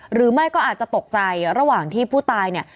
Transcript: หรือไม่ก็อาจจะตกใจระหว่างที่ผู้ตายเนี่ย